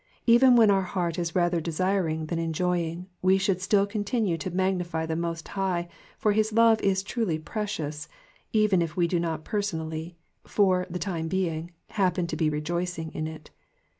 Even when our heart is rather desiring than enjoying we should still continue to magnify the Most High, for his love is truly precious ; even if we do not personally, for the time being, happen to be rejoicing in it.